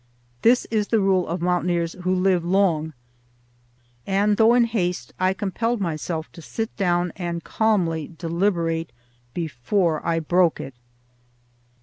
This is the rule of mountaineers who live long, and, though in haste, I compelled myself to sit down and calmly deliberate before I broke it.